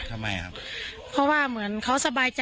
ทำไมครับ